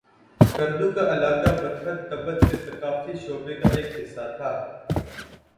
اسکردو کا علاقہ بدھت تبت کے ثقافتی شعبے کا ایک حصہ تھا